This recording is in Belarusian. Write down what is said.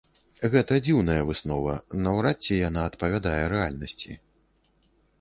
Гэта дзіўная выснова, наўрад ці яна адпавядае рэальнасці.